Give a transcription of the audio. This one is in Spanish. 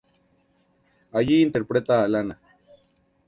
Allí interpreta a Lana.